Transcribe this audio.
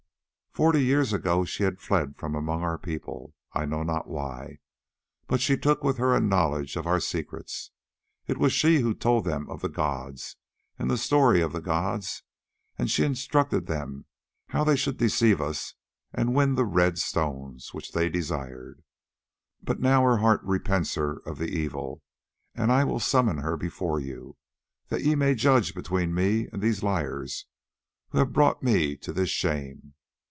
Forty years ago she had fled from among our people—I know not why, but she took with her a knowledge of our secrets. It was she who told them of the gods and the story of the gods, and she instructed them how they should deceive us and win the red stones which they desired. But now her heart repents her of the evil, and I will summon her before you, that ye may judge between me and these liars who have brought me to this shame.